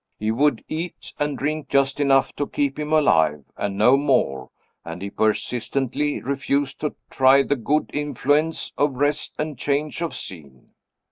He would eat and drink just enough to keep him alive, and no more; and he persistently refused to try the good influence of rest and change of scene.